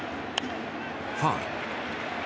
ファウル。